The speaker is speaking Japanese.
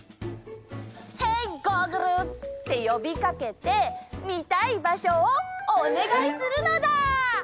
「ヘイ！ゴーグル」ってよびかけてみたい場所をおねがいするのだ！